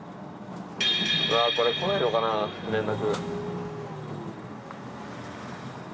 これ来ないのかな連絡。